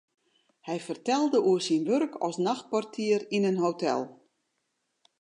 Hy fertelde oer syn wurk as nachtportier yn in hotel.